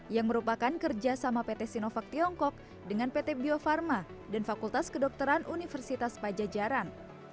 yang merupakan kerjasama pt sinovac tiongkok dengan pt bio farma dan fakultas kedokteran universitas pajajaran